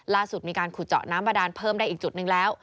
ล่าสุดมีการขุดเจาะน้ำบาดานเพิ่มได้อีกจุดหนึ่งแล้ว